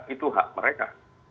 itu hak mereka